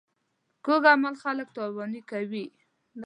کوږ عمل خلک تاواني کوي